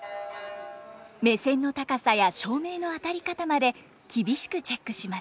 目線の高さや照明の当たり方まで厳しくチェックします。